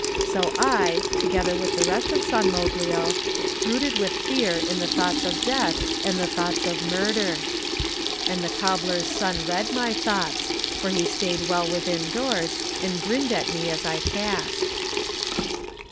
So I, together with the rest of San Moglio, brooded with fear in the thoughts of death and thoughts of murder. And the cob bler's son read my thoughts, for he stayed well withindoors and grinned at me as I passed.